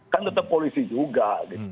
kan tetap polisi juga